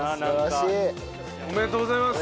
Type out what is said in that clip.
おめでとうございます。